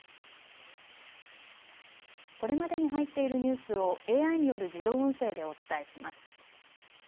ここまでに入っているニュースをＡＩによる自動音声でお伝えします。